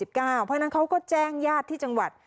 เพราะฉะนั้นเขาก็แจ้งญาติที่จังหวัด